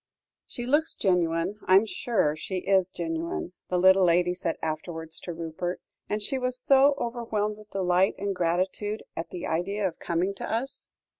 "She looks genuine; I am sure she is genuine," the little lady said afterwards to Rupert; "and she was so overwhelmed with delight and gratitude at the idea of coming to us."